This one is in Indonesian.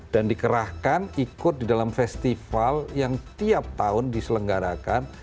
dan dikerahkan ikut di dalam festival yang tiap tahun diselenggarakan